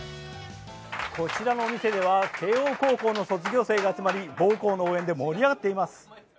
こちらのお店では慶応高校の卒業生が集まり母校の応援で盛り上がっています。